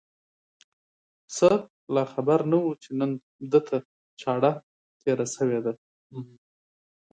پسه لا خبر نه و چې نن ده ته چاړه تېره شوې ده.